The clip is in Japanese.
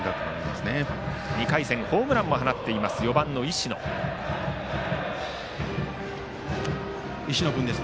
そして２回戦にホームランを放っている４番の石野です。